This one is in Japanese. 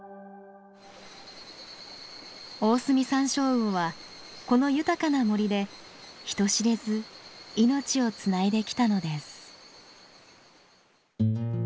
オオスミサンショウウオはこの豊かな森で人知れず命をつないできたのです。